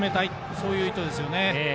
そういう意図ですよね。